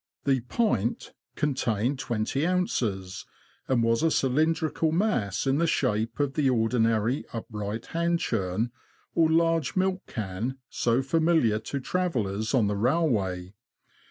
The ''pint" contained twenty ounces, and was a cylin drical mass in the shape of the ordinary upright hand churn or large milk can so familiar to travellers on the railway.